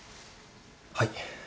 はい。